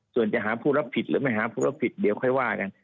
ส่วนจะหาผู้รับผิดหรือไม่หาผู้รับผิดเดี๋ยวค่อยว่ากัน